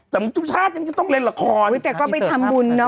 แต่ทุกชาติยังจะต้องเล่นละครแต่ก็ไปทำบุญเนอ